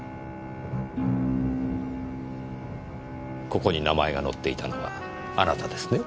ここに名前が載っていたのはあなたですね？